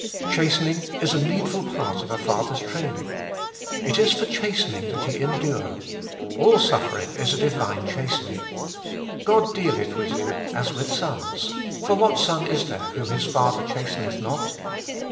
Chastening is a needful part of a father's training. It is for chastening that ye endure; all suffering is a divine chastening. God dealeth with you as with sons ; for what son is there whom his father chasteneth not?